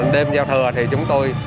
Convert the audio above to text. đêm giao thừa thì chúng tôi